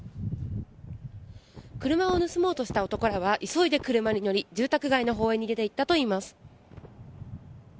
車を盗もうとした男らは急いで車に乗り住宅街のほうへ逃げていったといいます。